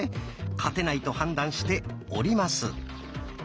勝てないと判断して降ります。